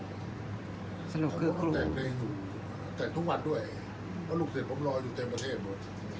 อันไหนที่มันไม่จริงแล้วอาจารย์อยากพูด